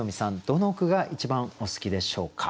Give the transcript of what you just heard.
どの句が一番お好きでしょうか？